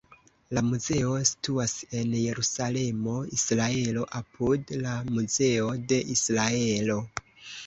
La muzeo situas en Jerusalemo, Israelo, apud la Muzeo de Israelo.